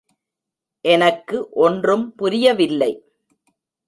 எனக்கு ஒன்றும் புரிய வில்லை.